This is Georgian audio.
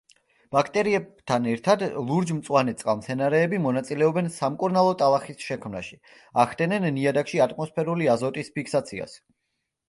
ბაქტერიებთან ერთად ლურჯ-მწვანე წყალმცენარეები მონაწილეობენ სამკურნალო ტალახის შექმნაში, ახდენენ ნიადაგში ატმოსფერული აზოტის ფიქსაციას.